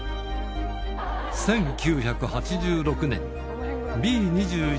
１９８６年、Ｂ２１